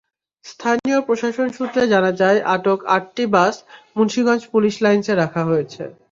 স্থানীয় প্রশাসন সূত্রে জানা যায়, আটক আটটি বাস মুন্সিগঞ্জ পুলিশ লাইনসে রাখা হয়েছে।